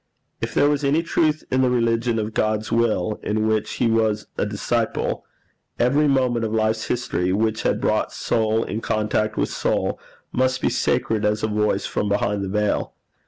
If there was any truth in the religion of God's will, in which he was a disciple, every moment of life's history which had brought soul in contact with soul, must be sacred as a voice from behind the veil.